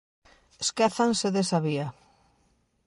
Esquézanse desa vía.